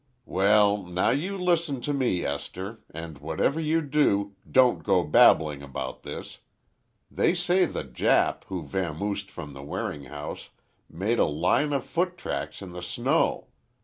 "Well, now you listen to me, Esther, and whatever you do, don't go babbling about this. They say the Jap, who vamoosed from the Waring house, made a line of foot tracks in the snow.